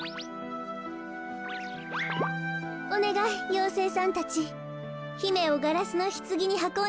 おねがいようせいさんたちひめをガラスのひつぎにはこんでくださらない？